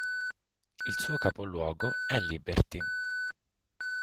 Il suo capoluogo è Liberty.